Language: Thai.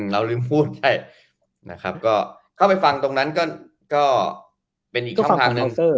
เราลืมพูดใช่นะครับก็เข้าไปฟังตรงนั้นก็เป็นอีกช่องทางหนึ่ง